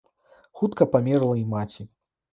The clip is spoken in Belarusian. Хутка памерла і маці.